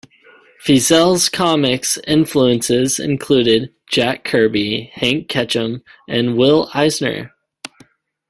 Feazell's comics influences included Jack Kirby, Hank Ketcham, and Will Eisner.